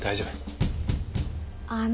あの。